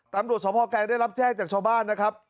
ตำรวจสมพ่อแกงได้รับแจ้งจากชาวบ้านนะครับ